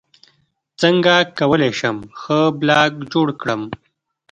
څنګه کولی شم ښه بلاګ جوړ کړم